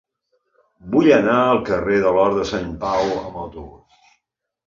Vull anar al carrer de l'Hort de Sant Pau amb autobús.